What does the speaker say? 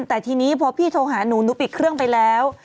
แต่ทีนี้พอพี่โทรหาหนูหนูปิดเครื่องไปแล้ว